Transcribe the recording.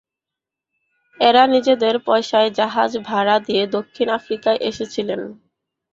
এরা নিজেদের পয়সায় জাহাজ ভাড়া দিয়ে দক্ষিণ আফ্রিকায় এসেছিল।